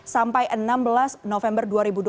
sampai enam belas november dua ribu dua puluh